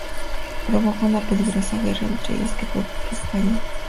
Provoca una peligrosa guerra entre ellos que preocupa a España.